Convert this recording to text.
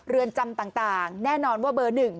เรือนจำต่างแน่นอนว่าเบอร์๑